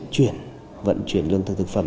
chuyển vận chuyển lương thực thực phẩm